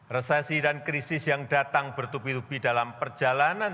resesi dan krisis yang datang bertubi tubi dalam perjalanan